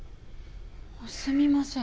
すみません。